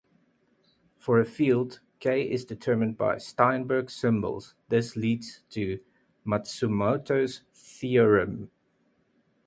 For a field, K is determined by Steinberg symbols: this leads to Matsumoto's theorem.